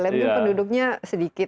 lihat penduduknya sedikit